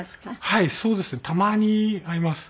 はいそうですね。たまに会います。